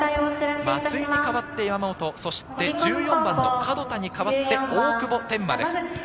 松井に代わって山本そして１４番の角田に代わって、大久保天満です。